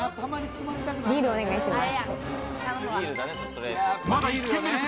ビールお願いします。